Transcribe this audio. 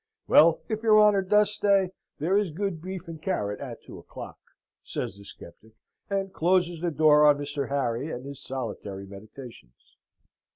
"Well, if your honour does stay, there is good beef and carrot at two o'clock," says the sceptic, and closes the door on Mr. Harry and his solitary meditations.